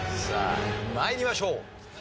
さあ参りましょう。